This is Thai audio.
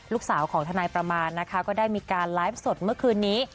ลูกสาวของทนายประมาณนะคะก็ได้มีการไลฟ์สดเมื่อคืนนี้